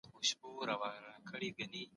یوه ورځ به خپلي